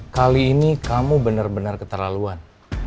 kali ini kamu bener bener keterlaluan